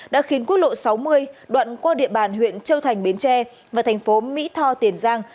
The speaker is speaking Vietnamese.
đã khiến quốc lộ sáu mươi đoạn qua địa bàn huyện châu thành bến tre và thành phố mỹ tho tiền giang